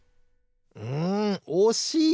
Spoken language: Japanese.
んおしい！